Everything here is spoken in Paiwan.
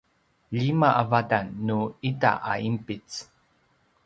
lima a vatan nu ita a ’inpic